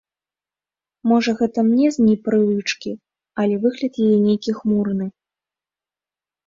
Можа гэта мне з непрывычкі, але выгляд яе нейкі хмурны.